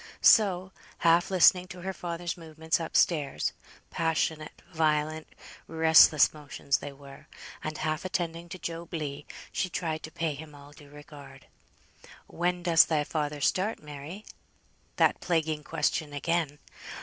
So half listening to her father's movements up stairs, (passionate, violent, restless motions they were) and half attending to Job Legh, she tried to pay him all due regard. "When does thy father start, Mary?" That plaguing question again.